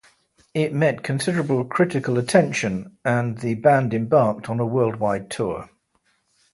It met considerable critical attention, and the band embarked on a worldwide tour.